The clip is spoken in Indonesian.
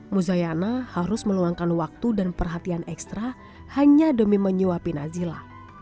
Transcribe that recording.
muzayana harus meluangkan waktu dan perhatian ekstra hanya demi menyuapi nazila